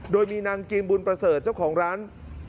โดยมีนางกิมบุญประเสริฐเจ้าของร้าน